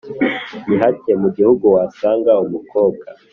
ni hake mu gihugu wasanga umukobwa